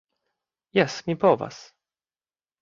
Jes, mi povas.